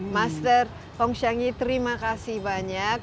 master hong shangi terima kasih banyak